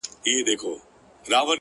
خیر حتمي کارونه مه پرېږده، کار باسه،